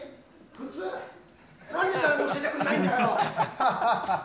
靴？何で誰も教えてくれないんだよ！